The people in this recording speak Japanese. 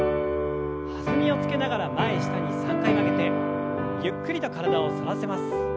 弾みをつけながら前下に３回曲げてゆっくりと体を反らせます。